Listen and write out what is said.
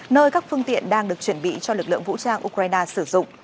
nơi các phương tiện đang được chuẩn bị cho lực lượng vũ trang ukraine sử dụng